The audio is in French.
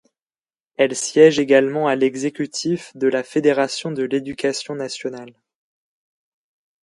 Elle siège également à l'Exécutif de la Fédération de l'Éducation nationale.